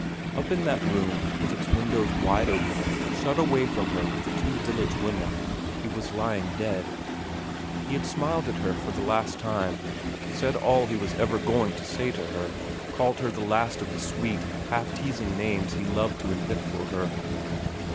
Up in that room with its windows wide open, shut away from her with the two village women, he was lying dead. He had smiled at her for the last time, said all he was ever going to say to her, called her the last of the sweet, half teasing names he loved to invent for her.